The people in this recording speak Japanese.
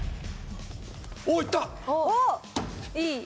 おっいった！